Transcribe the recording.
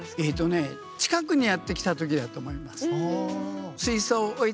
近くにやって来た時だと思います。